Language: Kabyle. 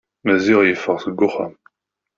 Maziɣ yeffeɣ seg uxxam.